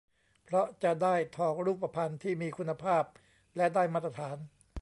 เพราะจะได้ทองรูปพรรณที่มีคุณภาพและได้มาตรฐาน